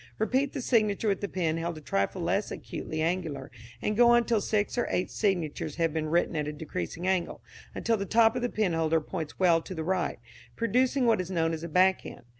Repeat the signature with the pen held a trifle less acutely angular, and go on till six or eight signatures have been written at a decreasing angle until the top of the penholder points well to the right, producing what is known as a backhand.